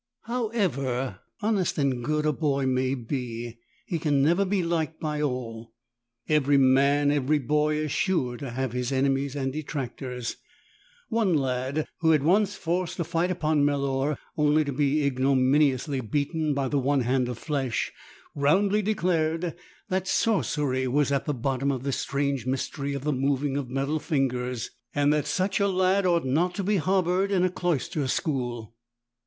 However honest and good a boy may be he can never be liked by all. Every man, every boy is sure to have his enemies and detractors. One lad who had once forced a fight upon Melor — only to be ignominiously beaten by the one hand of flesh — roundly declared that sorcery was at the bottom of this strange mystery of the moving of metal fingers, and that such a lad ought not to be harboured in a cloister school.